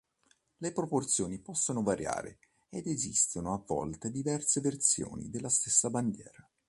Le proporzioni possono variare ed esistono a volte diverse versioni della stessa bandiera.